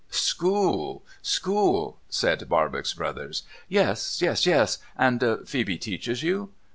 School, school,' said Barbox Brothers. ' Yes, yes, yes. And Phoebe teaches you